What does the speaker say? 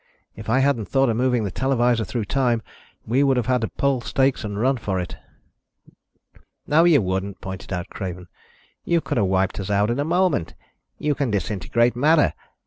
If I hadn't thought of moving the televisor through time, we would have had to pull stakes and run for it." "No, you wouldn't," pointed out Craven. "You could have wiped us out in a moment. You can disintegrate matter.